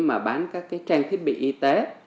mà bán các trang thiết bị y tế